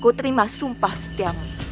aku terima sumpah setiamu